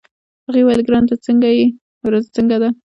هغې وویل: ګرانه څنګه يې، ورځ څنګه ده؟